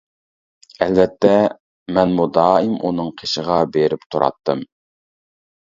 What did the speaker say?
ئەلۋەتتە، مەنمۇ دائىم ئۇنىڭ قېشىغا بېرىپ تۇراتتىم.